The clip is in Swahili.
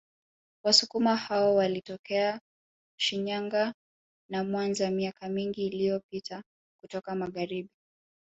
Wasukuma hao walitokea Shinyanga na Mwanza miaka mingi iliyopita kutoka Magharibi